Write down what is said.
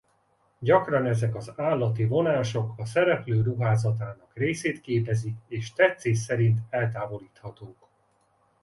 Gyakran ezek az állati vonások a szereplő ruházatának részét képezik és tetszés szerint eltávolíthatók.